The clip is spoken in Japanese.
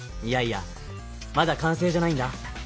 いやいやまだかんせいじゃないんだ。